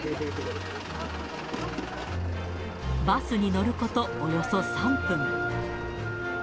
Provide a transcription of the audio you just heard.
バスに乗ること、およそ３分。